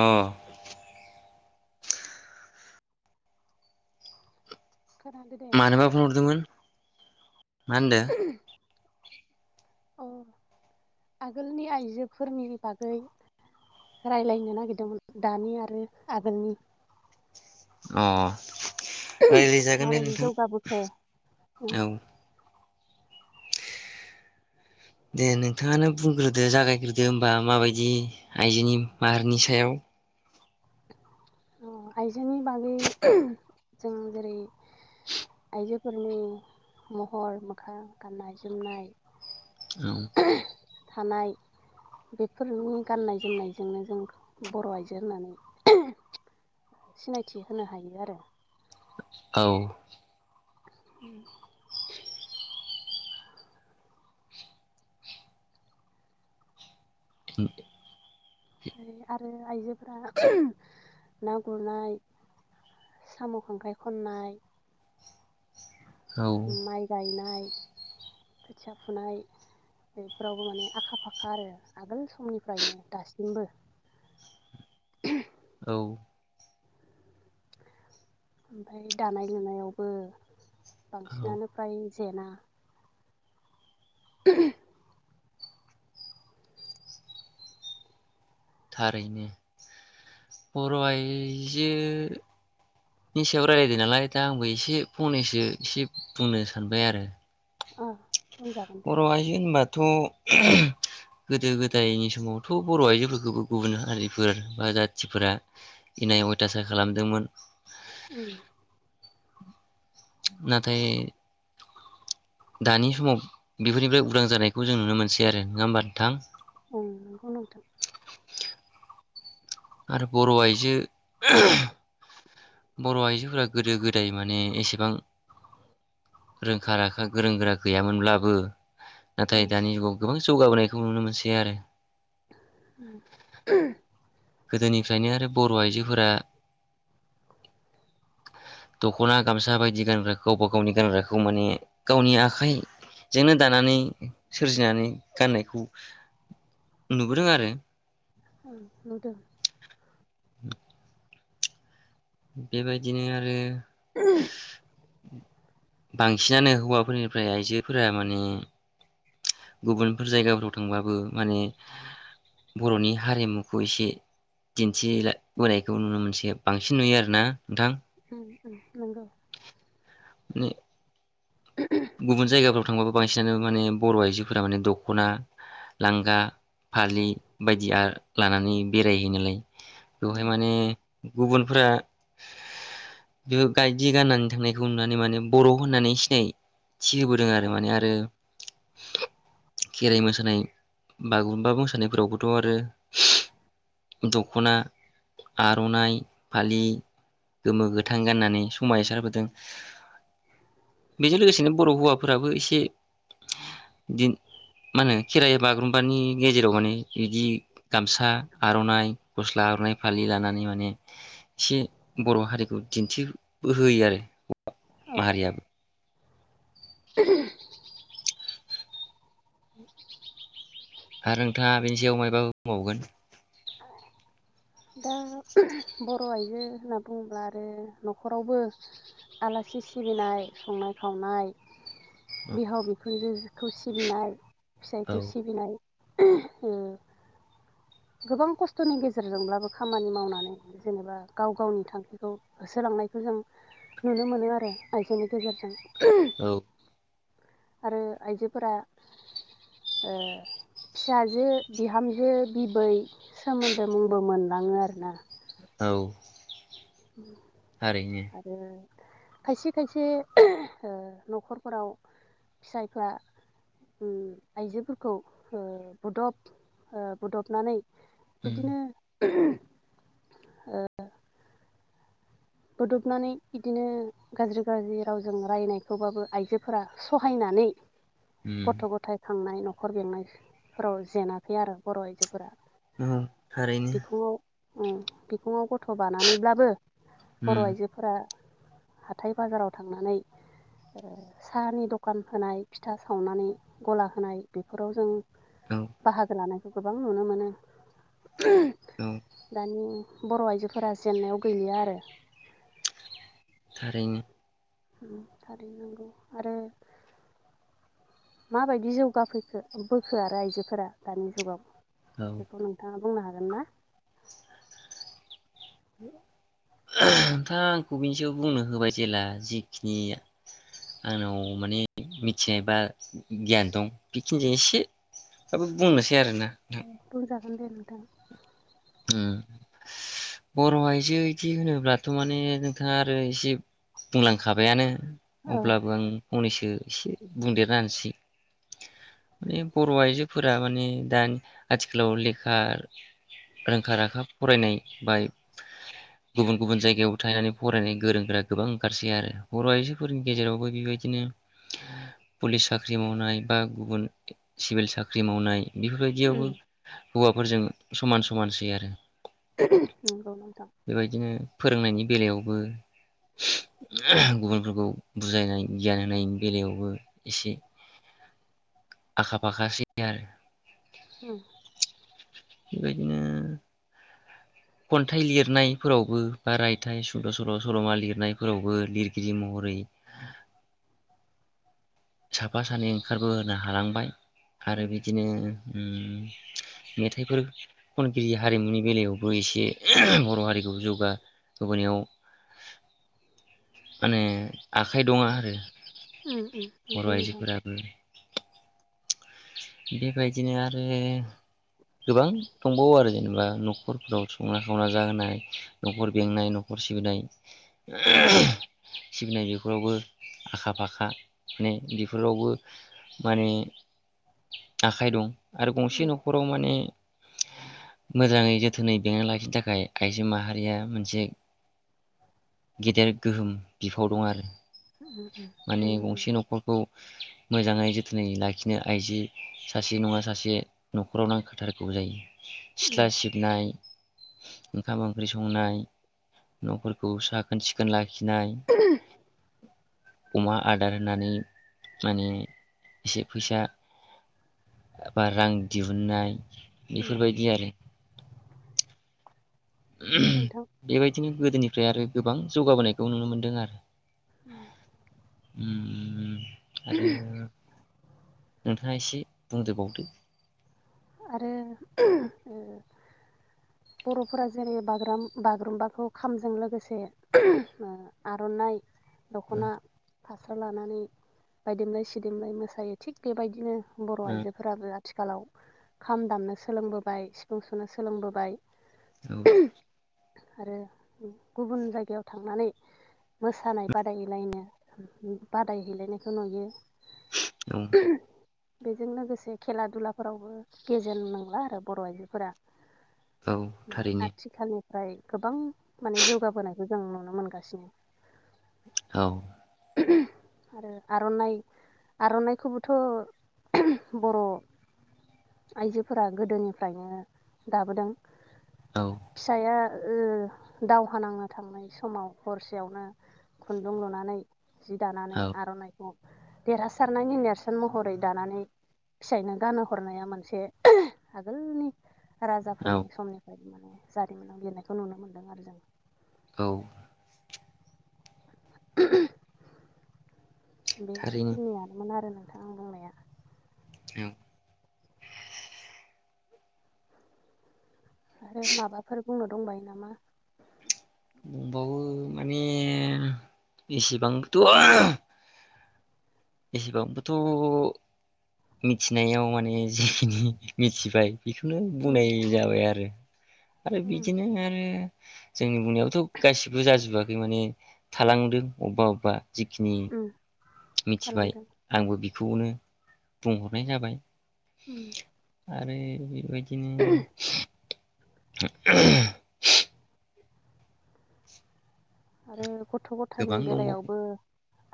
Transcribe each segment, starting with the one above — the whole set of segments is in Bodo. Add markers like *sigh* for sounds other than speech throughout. अ खोनादो दे मानोबा फनहरदोंमोन? माहोनदो? अ आगोलनि आइजोफोरनि बागै रायलायनो नागिरदोंमोन दानि आरो आगोलनि। अ रायलायजागोन दे माबायदि जौगाबोखो अ नोंथां औ। दे नोंथांङानो बुंग्रोदो जागायग्रोदो होमबा माबायदि आइजोनि माहारिनि सायाव आइजोनि बागै जों जेरै आइजोफोरनि महर मोखां गाननाय जोमनाय औ। थानाय बेफोरनि गाननाय जोमनायजोंनो जों बर' आइजो होननानै सिनायथि होनो हायो आरो औ *inaudible* ओमफ्राय आरो आइजोफोरा ना गुरनाय साम खांख्राइ खननाय औ माइ गायना नाय खोथिया फुनाय बेफोरावबो माने आखा फाखा आरो आगोल समनिफ्रायनो दासिमबो औ ओमफ्राय दानाय लुनायावबो औ बांसिनानो फ्राय जेना *unintelligible* थारैनो बर' आइजोनि सायाव रायलायदों नालाय दा आंबो एसे फंनैसो एसे बुंनो सानबाय आरो ओ बर' आयजो होनबा थ गोदो गोदायनि समावथ' बर' आइजोफोरखौबो गुबुन हारिफोर बा जाथिफोरा इनाय अयथासार खालामदोंमोन उम नाथाय दानि समाव बेफोरनिफ्राय उदां जानायखौ जों नुनो मोनसै आरो नङा होमबा नोंथां ओं नंगौ नोंथां आरो बर' आइजो बर' आइजोफोरा गोदो गोदाय माने एसेबां रोंखा राखा गोरों गोरा गैयामोनब्लाबो नाथाय ओं दानि गो-गो जौगाबोनायखौ नुनो मोनसै आरो *inaudible* गोदोनिफ्रायनो आरो बर आइजोफोरा दखना गामसा बायदि गानग्राखौ गावबा गावनि गानग्राखौ माने गावनि आखाइजोंनो दानानै सोरजिनानै गाननायखौ नुबोदों आरो उम नुदो *inaudible* बेबायदिनो आरो *unintelligible* बांसिनानो हौवाफोरनिफ्राय आइजोफोरा माने गुबुनफोर जायगाफोराव थांबाबो माने बरनि हारिमुखौ एसे दिन्थिबोनायखौ नुनो मोनसे बांसिन नुयो आरो ना नोंथां उम उम नंगौ *unintelligible* गुबुन जायगाफ्राव थांबाबो बांसिनानो माने बर‌' आइजोफोरा माने दखना लांगा फालि बायदिया लानानै बेरायहैयोनालाय दहाय ओम माने गुबुनफोरा बे गायदि गाननानै थांनायखौ नुनानै माने बर' होननानै सिनाय थि होबोदों आरो औ माने आरो खेराइ मोसानाय बागुरुम्बा मोसानायफोरावबोथ आरो दखना आरनाइ फालि गोमो गोथां गाननानै समाय सारबोदों बेजों लोगोसेनो बर हौवाफोराबो एसे मा होनो खेराइ बागुरुम्बानि गेजेराव माने बिदि गामसा आरनाइ गस्ला आरनाइ फालि लानानै माने एसे बर हारिखौ दिन्थिहोयो आरो औ माहारियाबो *unintelligible* आरो नोंथाङा बेनि सायाव मायबा बुंबावगोन दा बर' आइजो होनना बुङोब्ला आरो न'खरावबो आलासि सिबिनाय संनाय खावनाय बिहाव बिखुनजोखौ सिबिनाय औ फिसाइखौ सिबिनाय उम गोबां कस्थनि गेजेरजोंब्लाबो खामानि मावनानै जेनेबा गाव गावनि थांखिखौ होसोलांनायखौ जों नुनो मोनो आरो आइजोनि गेजेरजों औ आरो आइजोफोरा ओ फिसाजो बिहामजो बिबै सोमोन्दो मुंबो मोनलाङो आरोना औ थारैनो आरो खायसे खायसे ओ नखरफोराव फिसाइफ्रा उम आइजोफोरखौ ओ बुदब बुदबनानै उम बिदिनो *unintelligible* ओ‌। बोदबनानै इदिनो गाज्रि गाज्रि रावजों रायनायखौबाबो आइजोफोरा सहायनानै उम गथ' गथायाइ खांनाय न हखर बेंनायफोराव जेनाखै आरो बर आइजोफोरा औ थारैनो बिखुंङाव औ बिखुंङाव गथ' बानानैब्लाबो बर' उम आइजोफोरा हाथाय बाजाराव थांनानै ओ साहानि दखान होनाय फिथा सावनानै गला होनाय बेफोराव जों औ बाहागो लानाय गोबां नुनो मोनो। औ दानि बर' आइजोफोरा जेन्नायाव गैलिया आरो। थारैनो। थारै नंगौ आरो माबायदि जौगाफैखो बोखो आरो आइजोफोरा दानि जुगाव? औ बेखौ नोंथाङा बुंनो हागोन ना? *unintelligible* नोंथा आंखौ बिनि सायाव बुंनो होबाय जेब्ला जिखिनि आंनाव माने मिथिनाय बा गियान दं बेखिनिजों एसेबाबो बुंनोसै आरोना बुंजा गोन दे नोंथां ओम बर' आइजो बिदि होनोब्लाथ' माने नोंथाङा आरो एसे बुंलांखाबायानो। औ अब्लाबो आं फंनैसो दे एसे बुंदेरसै माने बर' आइजोफोरा माने दानि आथिखालाव लेखा रोंखा राखा फरायनाय बा गुबुन गुबुन जायगायाव थनानै फरायनाय गोरों गोरा गोबां ओंखारसै आरो बर आइजोफोरनि गेजेरावबो बेबायदिनो पुलिस साख्रि मावनाय बा गुबुन सिभिल साख्रि मावनाय बेफोरबायदियावबो उम हौवाफोरजों समान सम समानसै आरो। *unintelligible* नंगौ नोंथां बेबायदिनो फोरोंनायनि बेलायावबो गुबुनफोरखौ बुजायनाय गियान होनायनि बेलायावबो एसे आखा फाखासै आरो। होम। बेबायदिनो खन्थाइ लिरनायफोरावबो बा रायथाइ सुंद सल सलमा लिरनायफोरावबो लिरगिरि महरै साफा सानै ओंखारबो होनो हालांबाय। आरो उम बिदिनो मेथाइफोर खनगिरि हारिमुनि बेलायावबो एसे बरहारिखौ जौगाहोबोनायाव माने आखाइ दङ आरो उम बर' नंगौ नोंथां आइजोफोराबो *inaudible* बेबायदिनो आरो गोबां दंबावो आरो जेनेबा नखरफोराव संना खावना जाहोनाय नखर बेंनाय नखर सिबिनाय उम सिबिनाय बेफोरावबो आखा फाखा माने बेफोरावबो माने आखाइ दं। आरो गंसे उम नखराव मोजाङै जोथोनै बेंना लाखिनो थाखाय आइजो माहारिया मोनसे गेदेर गोहोम बिफाव दं आरो। उम माने उम नंगौ गंसे नोंथां नखरखौ मोजाङै जोथोनै लाखिनो आइजो सासे नङा सासे नखराव नांखाथारगौ जायो। उम सिथ्ला सिबनाय ओंखाम ओंख्रि संनाय न'फोरखौ साखोन सिखोन लाख खिनाय अमा आदार होनानै माने एसे फैसा एबा रां दिहुननाय उम बेफोरबायदि आरो नंगौ नोंथां बेबायदिनो गोदोनिफ्राय आरो गोबां जौगाबोनायखौ नुनो मोनदों आरो उम। उमम आरो नोंथाङा एसे बुंदेरबावदो। आरो बरफोरा जेरै बागुरुम्बाखौ खामजों लोगोसे आरनाइ दखना। औ फास्रा लानानै बायदेमलाय सिदेमलाय मोसायो थिग बेबायदिनो। बर आइजोफोराबो आथिखालाव खाम दामनो सोलोंबोबाय सिफुं सुनो सोलोंबोबाय। आरो गुबुन जायगायाव थांनानै मोसानाय बादायलायनो बादायहैलायनायखौ नुयो उम बेजों लोगोसे खेला दुला फोरावबो गेजेन नंला आरो बर आइजोफोरा औ थारैनो। ओमफ्राय गोबां माने जौगाबोनायखौ जों नुनो मोनगासिनो औ *unintelligible* आरो आरनाइ आरनाइखौबोथ *unintelligible* बर आइजोफोरा गोदोनिफ्रायनो दाबोदों औ फिसाया ओ दावहा नांनो थांनाय समाव हरसेयावनो खुन्दुं लुनानै जि दानानै औ आर'नाइखौ देरहासारनायनि नेरसोन महरै दानानै फिसायनो गानहो हरनाया मोनसे ओ आगोलनि औ राजाफोरनि समनिफ्राय माने जारिमिनाव लिरनायखौ नुनो मोन्दों आरो जों औ *unintelligible* बे थारैनो खिनियारमोन आरो नो औ आरो माबाफोर बुंनो दंबायो नामा? बुंंबावो माने बेसेबांथ' *unintelligible* एसेबांबोथ' मिथिनायाव माने जिखिनि मिथिबाय बेखौनो उम बुंनाय जाबाय आरो आरो उम बिदिनो आरो जोंनि बुंनायावथ' गासिबो जाजोबाखै माने थालांदों अबबा अबबा जिखिनि उम मिथिबाय थालांदों आंबो बि खौनो बुंहरनाय जाबाय। उम आरो इ *unintelligible* दिनो *unintelligible* *unintelligible* आरो ग गथ गथायनि गोबां दंबावो बेलायावबो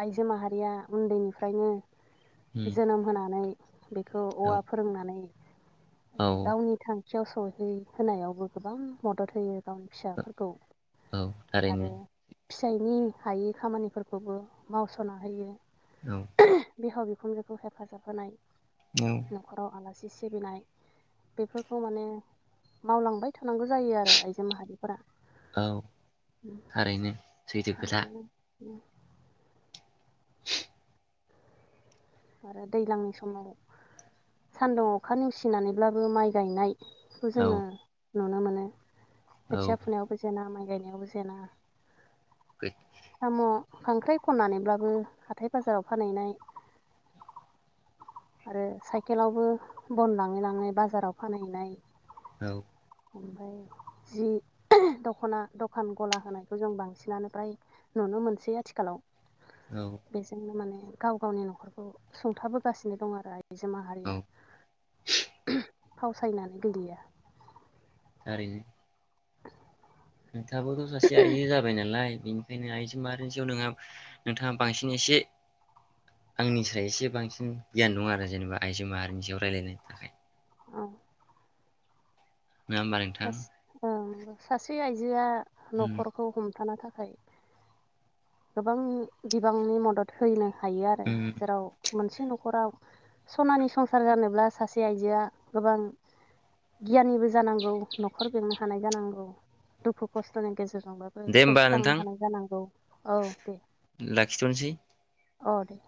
आइजो माहारिया उन्दैनिफ्रायनो उम जोनोम होनानै बेखौ औ औवा फोरोंनानै औ गावनि थां खाथियाव सौहै होनायावबो गोबां मदद होयो। गावनि फिसाफोरखौ औ थारैनो आरो फिसाइनि हायै खामानिफोरखौबो मावसना होयो। औ बिहाव बिखुनजोखौ हेफाजाब होनाय औ नखराव आला सि-सिबिनाय बेफोरखौ माने मावलांबाय थानांगौ जायो आरो आइजो माहारिफोरा। औ थारैनो सैथो खोथा उम आरो दैज्लांनि समाव सान्दुं अखा नेवसिनानैब्लाबो माइ गायनाय खौ औ जोङो नुनो मोनो। औ खोथिया फुनायावबो जेना माय गायनायावबो जेना साम' *unintelligible* खांख्राइ खननानैब्लाबो हाथाय बाजाराव फानहैनाय आरो साइकेलावबो बन लाङै लाङै बाजाराव फानहैनाय औ। ओमफाय जि दखना दखान गला होनायखौ जों बांसिनानो फ्राय नुनो मोनसै आथिखालाव। औ बेजोंनो माने गाव गावनि नखरखौ सुंथाबोगासिनो दं आरो आइजो माहारिया औ फावसायनानै गैलिया थारैनो नोंथाबोथ सासे आइजो जाबाय नालाय बेनिखायनो आइजो माहारिनियाव नोंहा नोंथाङा बांसिन एसे आंनिसाय एसे बांसिन गियान दं आरो जेनेबा आइजो माहारिनियाव रायलायनायनि थाखाय। औ। नङा होमबा नोंथां हास ओम सासे आइजोआ उम नखरखौ हमथानो था फाय गोबां बिबांनि मदद होयोनो हायो आरो, उम जेराव मोनसे नखराव सनानि संसार जानोब्ला सासे आइजोआ गोबां गियानिबो जानांगौ नखर बेंनो हानाय जानांगौ, दुखु खस्थनि गेजेरजों *unintelligible* बाबो दे होमबा सौसिलांनो नोंथां हानाय जानांगौ। औ दे। लाखिथनोसै अ दे